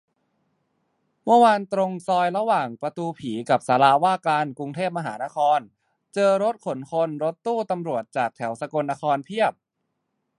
เมื่อวานตรงซอยระหว่างประตูผีกับศาลาว่าการกรุงเทพมหานคร เจอรถขนคน-รถตู้ตำรวจจากแถวสกลนครเพียบ